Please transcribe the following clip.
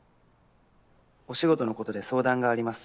「お仕事のことで相談があります。